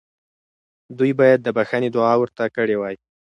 دوی باید د بخښنې دعا ورته کړې وای.